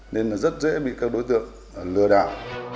nên là rất dễ bị các đối tượng lừa đạo